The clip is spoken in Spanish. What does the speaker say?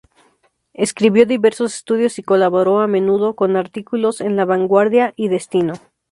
Escribió diversos estudios y colaboró, a menudo, con artículos en La Vanguardia y Destino.